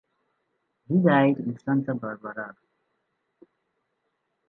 He died in Santa Barbara.